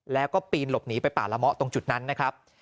แล้วก็ปีนหลบหนีไปป่าละเมาะตรงจุดนั้นนะครับ